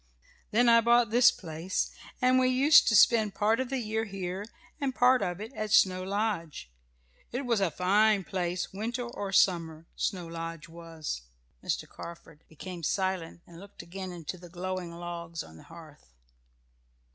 "Then I bought this place, and we used to spend part of the year here and part of it at Snow Lodge. It was a fine place winter or summer, Snow Lodge was." Mr. Carford became silent and looked again into the glowing logs on the hearth.